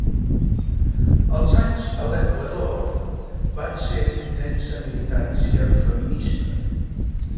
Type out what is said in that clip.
Els anys a l'Equador van ser d'intensa militància feminista.